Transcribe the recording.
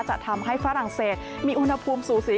จะทำให้ฝรั่งเศสมีอุณหภูมิสูสี